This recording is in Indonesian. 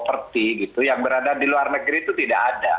seperti yang berada di luar negeri itu tidak ada